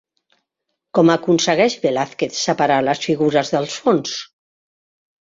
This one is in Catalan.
Com aconsegueix Velázquez separar les figures del fons?